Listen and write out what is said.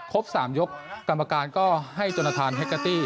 ครบ๓ยกกรรมการก็ให้จนทานแฮกเกอร์ตี้